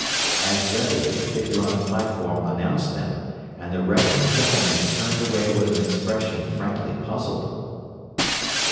As readily the figure on the platform announced them, and the reverend gentleman turned away with an expression frankly puzzled.